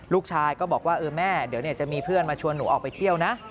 ลูกชายก็บอกว่าเออแม่เดี๋ยวจะมีเพื่อนมาชวนหนูออกไปเที่ยวนะ